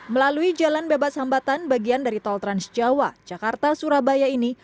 melalui jalan bebas hambatan bagian dari tol transjawa jakarta surabaya ini